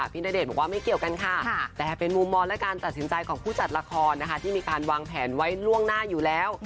ณเดชน์บอกว่าไม่เกี่ยวกันค่ะแต่เป็นมุมมองและการตัดสินใจของผู้จัดละครนะคะที่มีการวางแผนไว้ล่วงหน้าอยู่แล้ว